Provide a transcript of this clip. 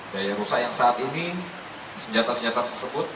daya rusak yang saat ini senjata senjata tersebut